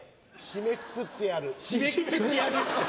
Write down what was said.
「締めくくってやる」って。